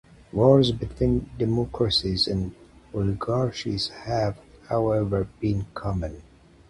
Wars between democracies and oligarchies have, however, been common.